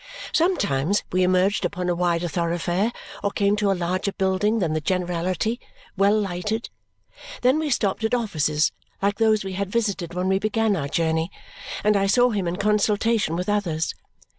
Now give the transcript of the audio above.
Sometimes we emerged upon a wider thoroughfare or came to a larger building than the generality, well lighted. Then we stopped at offices like those we had visited when we began our journey, and I saw him in consultation with others.